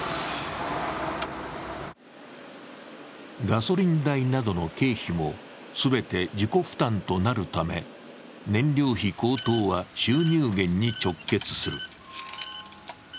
ガソリン代などの経費も全て自己負担となるため、燃料費高騰は収入減に直結する。